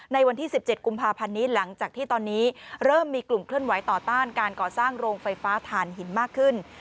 ในวันที่๑๗กุมภาพันธ์นี้หลังจากที่ตอนนี้เริ่มมีกลุ่มเคลื่อนไหวต่อต้านการก่อสร้างโรงไฟฟ้าฐานหินมากขึ้น